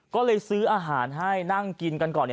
ก็เลยซื้ออาหารให้นั่งกินกันก่อน